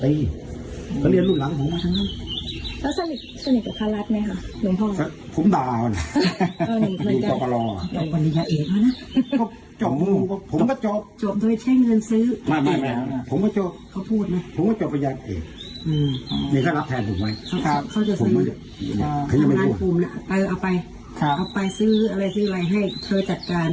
นี่เขารับแทนถูกไหมเขาจะซื้ออำนาจภูมิเอาไปซื้ออะไรให้เธอจัดการ